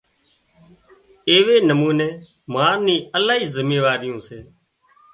ايوي نموني ما ني الاهي زميواريون سي